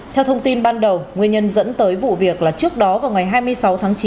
theo thông tin ban đầu nguyên nhân dẫn tới vụ việc là trước đó vào ngày hai mươi sáu tháng chín